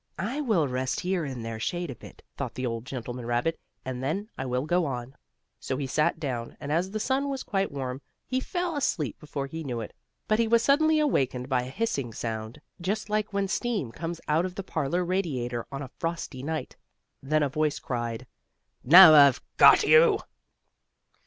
"I will rest here in their shade a bit," thought the old gentleman rabbit, "and then I will go on." So he sat down, and, as the sun was quite warm, he fell asleep before he knew it. But he was suddenly awakened by a hissing sound, just like when steam comes out of the parlor radiator on a frosty night. Then a voice cried: "Now I've got you!"